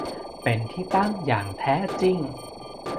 เป็นที่ตั้งอย่างแท้จริง